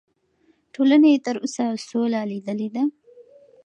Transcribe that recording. ټولنې تر اوسه سوله لیدلې ده.